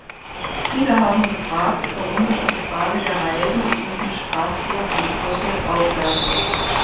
Viele haben gefragt, warum ich die Frage der Reisen zwischen Straßburg und Brüssel aufwerfe.